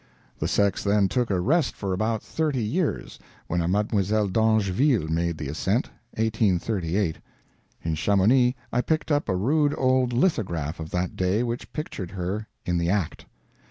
The sex then took a rest for about thirty years, when a Mlle. d'Angeville made the ascent 1838. In Chamonix I picked up a rude old lithograph of that day which pictured her "in the act."